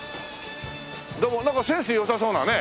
でもなんかセンス良さそうなね。